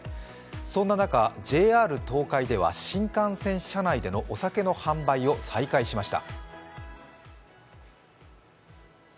そんな中、ＪＲ東海では新幹線車内でのお酒の販売を再開しました。